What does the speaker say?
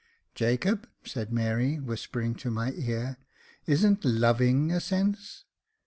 "Jacob," said Mary, whispering to my ear, "isn't loving a sense